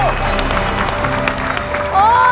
โลก